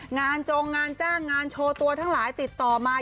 งงานจ้างงานโชว์ตัวทั้งหลายติดต่อมา